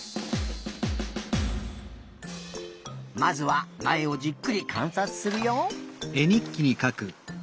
まずはなえをじっくりかんさつするよ。